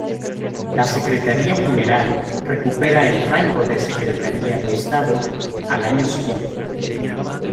La secretaría general recupera el rango de secretaría de Estado al año siguiente.